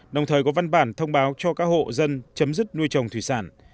đồng thời có văn bản thông báo cho các hộ dân chấm dứt nuôi trồng thủy sản